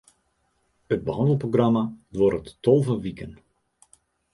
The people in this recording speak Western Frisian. It behannelprogramma duorret tolve wiken.